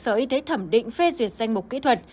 sở y tế thẩm định phê duyệt danh mục kỹ thuật